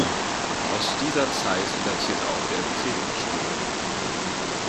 Aus dieser Zeit datiert auch der Predigtstuhl.